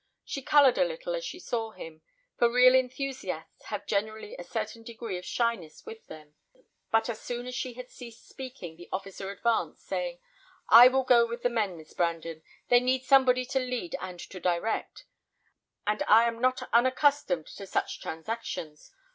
She coloured a little as she saw him, for real enthusiasts have generally a certain degree of shyness with them; but as soon as she had ceased speaking the officer advanced, saying, "I will go with the men, Miss Brandon. They need somebody to lead and to direct, and I am not unaccustomed to such transactions.